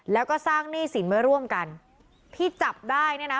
แล้วก็สร้างหนี้สินไว้ร่วมกันที่จับได้เนี่ยนะ